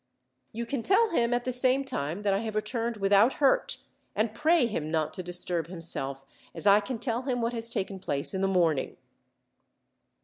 "You can tell him, at the same time, that I have returned without hurt, and pray him not to disturb himself, as I can tell him what has taken place in the morning."